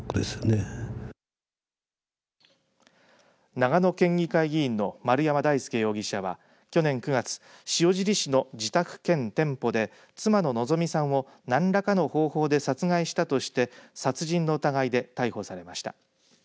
長野県議会議員の丸山大輔容疑者は去年９月、塩尻市の自宅兼店舗で妻の希美さんを何らかの方法で殺害したとして殺人の疑いで逮捕されました。